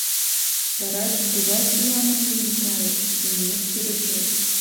Вараже тугай пуламыр лийын кайыш, юмет-пӱрышет!